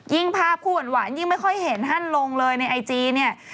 ยิ่งภาพผู้หวั่นยิ่งไม่ค่อยเห็นฮั่นลงเลยในไอจีเนี่ย